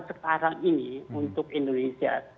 sekarang ini untuk indonesia